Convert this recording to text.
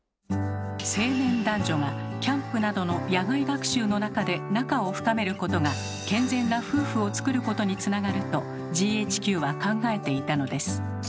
青年男女がキャンプなどの野外学習の中で仲を深めることが健全な夫婦をつくることにつながるとＧＨＱは考えていたのです。